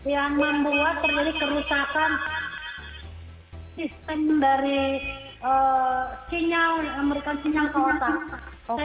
yang membuat terjadi kerusakan sistem dari sinyal yang mereka sinyal ke otak